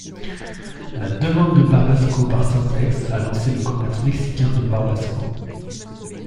La demande de barbasco par Syntex a lancé le commerce mexicain de barbasco.